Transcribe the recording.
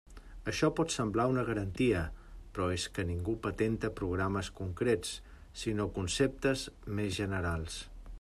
Això pot semblar una garantia, però és que ningú patenta programes concrets, sinó conceptes més generals.